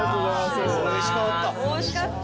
おいしかった。